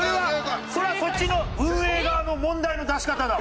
それはこっちの運営側の問題の出し方だもん。